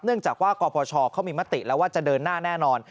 จากว่ากรพชเขามีมติแล้วว่าจะเดินหน้าแน่นอน